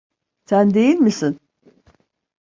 Sen değil misin?